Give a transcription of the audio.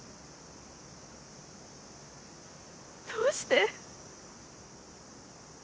どうして？